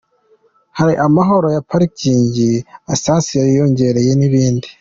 Hari amahoro ya parikingi, essence yariyongereye n’ibindi".